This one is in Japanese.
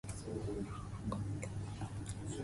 今日は、学校に行きました。